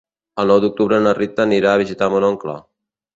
El nou d'octubre na Rita anirà a visitar mon oncle.